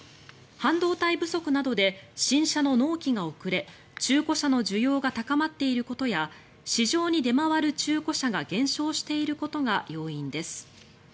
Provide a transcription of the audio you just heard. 半導体不足などで新車の納期が遅れ中古車の需要が高まっていることや市場に出回る中古車が減少していることが要因です。